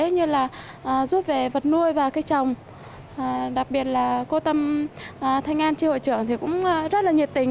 như là rút về vật nuôi và cây trồng đặc biệt là cô tâm thanh an tri hội trưởng thì cũng rất là nhiệt tình